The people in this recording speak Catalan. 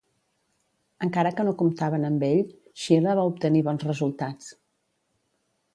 Encara que no comptaven amb ell, Xile va obtenir bons resultats.